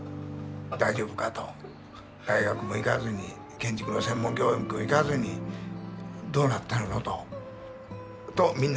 大学も行かずに建築の専門教育も行かずにどうなってるのと。とみんなが言ってました。